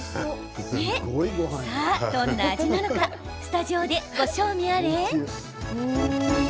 さあ、どんな味なのかスタジオでご賞味あれ。